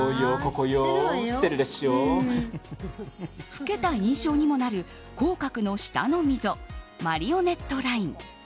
老けた印象にもなる口角の下の溝マリオネットライン。